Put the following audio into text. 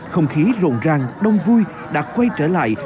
không khí rộn ràng đông vui đã quay trở lại